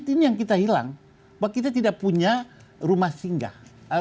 ini yang kita hilang bahwa kita tidak punya rumah singgah